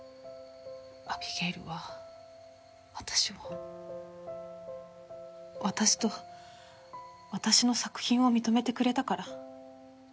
アビゲイルは私を私と私の作品を認めてくれたから。